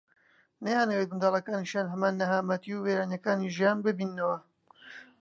نایانەوێت منداڵەکانیشیان هەمان نەهامەتی و وێرانەییەکانی ژیان ببیننەوە